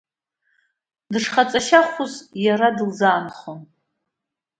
Дышхаҵа шьахәыз иара дылзаанхон.